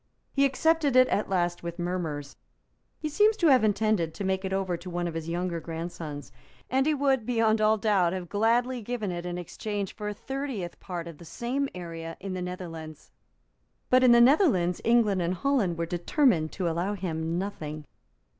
He accepted it at last with murmurs; he seems to have intended to make it over to one of his younger grandsons; and he would beyond all doubt have gladly given it in exchange for a thirtieth part of the same area in the Netherlands. But in the Netherlands England and Holland were determined to allow him nothing.